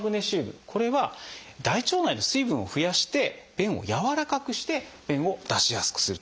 これは大腸内の水分を増やして便をやわらかくして便を出しやすくすると。